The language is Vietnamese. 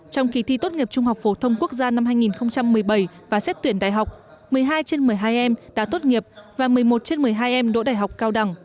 trong kỳ thi tốt nghiệp trung học phổ thông quốc gia năm hai nghìn một mươi bảy và xét tuyển đại học một mươi hai trên một mươi hai em đã tốt nghiệp và một mươi một trên một mươi hai em đỗ đại học cao đẳng